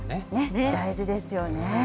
大事ですよね。